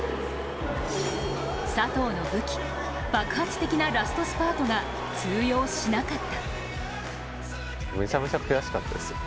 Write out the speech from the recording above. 佐藤の武器、爆発的なラストスパートが通用しなかった。